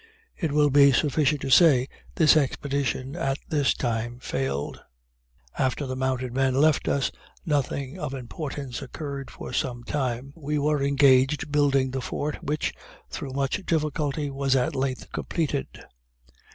It will be sufficient to say this expedition at this time failed. After the mounted men left us, nothing of importance occurred for some time. We were engaged building the fort, which, through much difficulty, was at length completed.